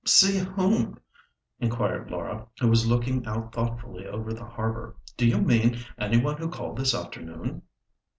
"See whom?" inquired Laura, who was looking out thoughtfully over the harbour. "Do you mean any one who called this afternoon?"